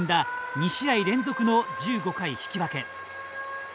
２試合連続の１５回引き分け。